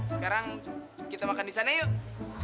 sekarang kita makan di sana yuk